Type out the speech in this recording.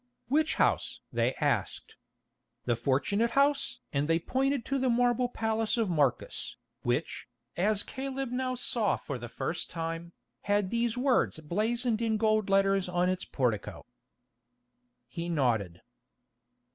"Which house?" they asked. "The 'Fortunate House?'" and they pointed to the marble palace of Marcus, which, as Caleb now saw for the first time, had these words blazoned in gold letters on its portico. He nodded.